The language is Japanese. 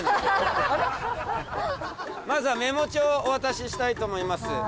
まずはメモ帳をお渡ししたいと思います。